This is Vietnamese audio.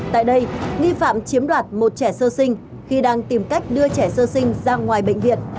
tại đây nghi phạm chiếm đoạt một trẻ sơ sinh khi đang tìm cách đưa trẻ sơ sinh ra ngoài bệnh viện